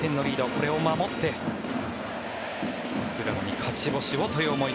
これを守って菅野に勝ち星をという思い